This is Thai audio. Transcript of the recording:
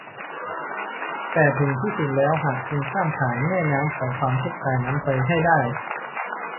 แต่ถึงที่สุดแล้วหากคุณข้ามผ่านแม่น้ำของความทุกข์สายนั้นไปให้ได้